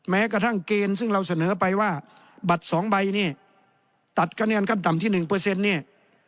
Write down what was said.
แม้กระทั่งเกณฑ์ซึ่งเราเสนอไปว่าบัตรสองใบเนี่ยตัดคะแนนขั้นต่ำที่หนึ่งเปอร์เซ็นต์เนี่ย